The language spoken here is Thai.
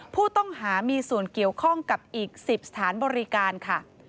ผู้ต้องหามีส่วนเกี่ยวข้องกับอีก๑๐สถานบริการค่ะ